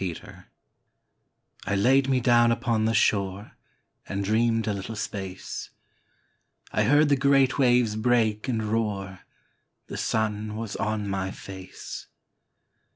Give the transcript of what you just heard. PREÃXISTENCE I laid me down upon the shore And dreamed a little space; I heard the great waves break and roar; The sun was on my face.